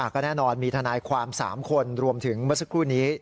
ก็แน่นอนมีทนายความ๓คนรวมถึงเมื่อสักครู่นี้